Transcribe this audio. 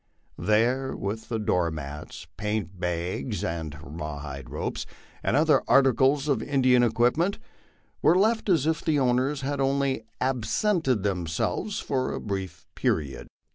These, with the door mats, paint bags, rawhide ropes, and other articles of Indian equipment, were left as if the owners had only absented themselves for a brief period.